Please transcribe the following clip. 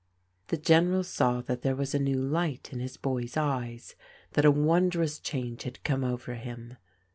The General saw that there was a new light in his boy's eyes, that a wondrous change had come over him.